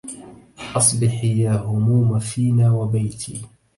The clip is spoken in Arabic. أصبحي يا هموم فينا وبيتي